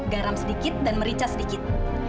garam sedikit dan merica sedikit